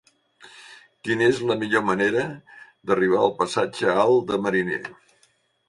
Quina és la millor manera d'arribar al passatge Alt de Mariner?